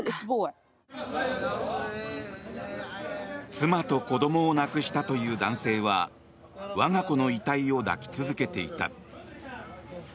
妻と子供を亡くしたという男性は我が子の遺体を抱き続けていた。